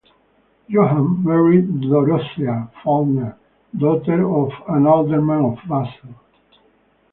Johann married Dorothea Falkner, daughter of an Alderman of Basel.